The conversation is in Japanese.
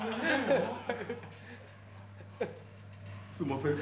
すんません。